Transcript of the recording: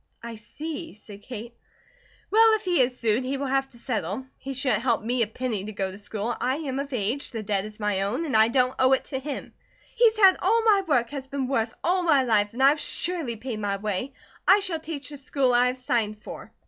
"I see," said Kate. "Well, if he is sued, he will have to settle. He wouldn't help me a penny to go to school, I am of age, the debt is my own, and I don't owe it to him. He's had all my work has been worth all my life, and I've surely paid my way. I shall teach the school I have signed for."